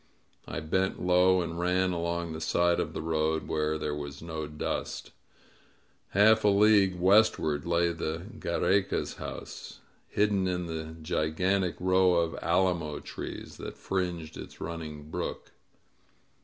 I bent low and ran along the side of the road, where there was no dust. Half a league westward lay the 91 INSURGENT MEXICO GHierca's house, hidden in the gigantic row of alamo trees that fringed its running brook.